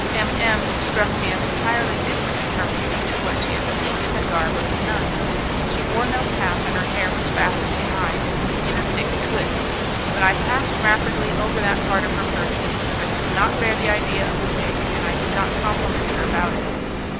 M M struck me as entirely different in her beauty to what she had seemed in the garb of a nun. She wore no cap, and her hair was fastened behind in a thick twist; but I passed rapidly over that part of her person, because I could not bear the idea of a wig, and I could not compliment her about it.